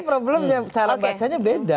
jadi problemnya cara bacanya beda